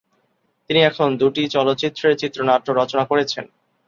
তিনি এখন দুটি চলচ্চিত্রের চিত্রনাট্য রচনা করছেন।